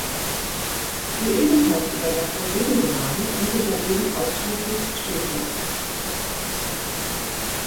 Die ebenfalls überdachte Gegengerade bietet dagegen ausschließlich Stehplätze.